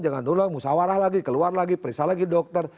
jangan dulu musawarah lagi keluar lagi periksa lagi dokter